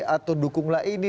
atau dukunglah ini